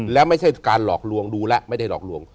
แล้วไม่ใช่การหลอกลวงดูแล้วไม่ได้หลอกลวง